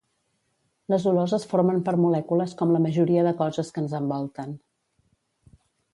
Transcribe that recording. Les olors es formen per molècules com la majoria de coses que ens envolten